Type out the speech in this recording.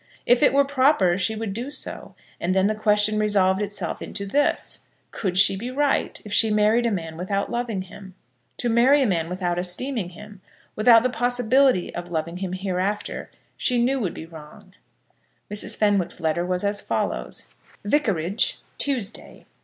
If it were proper, she would do so; and then the question resolved itself into this; Could she be right if she married a man without loving him? To marry a man without esteeming him, without the possibility of loving him hereafter, she knew would be wrong. Mrs. Fenwick's letter was as follows; Vicarage, Tuesday.